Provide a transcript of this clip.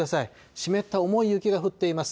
湿った重い雪が降っています。